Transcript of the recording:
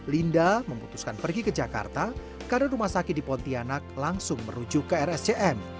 linda memutuskan pergi ke jakarta karena rumah sakit di pontianak langsung merujuk ke rscm